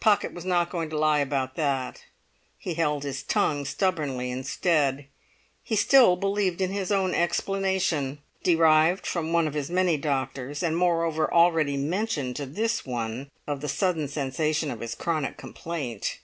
Pocket was not going to lie about that; he held his tongue stubbornly instead. He still believed in his own explanation, derived from one of his many doctors, and moreover already mentioned to this one, of the sudden cessation of his chronic complaint.